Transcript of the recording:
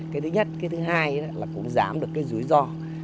cái thứ nhất cái thứ hai là cũng giảm được cái rủi ro